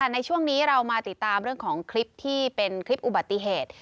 ในช่วงนี้เรามาติดตามเรื่องของคลิปที่เป็นคลิปอุบัติเหตุ